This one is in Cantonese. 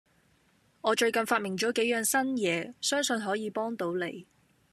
我最近發明咗幾樣新嘢，相信可以幫到你